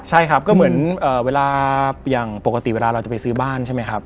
ใช่ครับก็เหมือนเวลาอย่างปกติเวลาเราจะไปซื้อบ้านใช่ไหมครับ